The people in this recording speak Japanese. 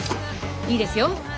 いいですよ。